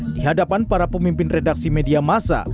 di hadapan para pemimpin redaksi media masa